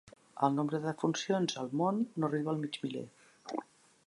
El nombre de defuncions al món no arriba al mig miler.